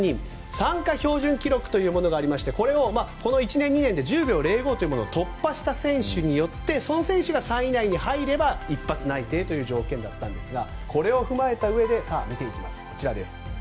参加標準記録というのがありましてこれをこの１年、２年で１０秒０５を突破した選手によってその選手が３位以内に入れば１発内定という条件だったんですがこれを踏まえたうえで見ていきます、こちらです。